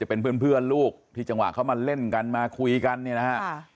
เป็นเพื่อนลูกที่จังหวะเขามาเล่นกันมาคุยกันเนี่ยนะฮะ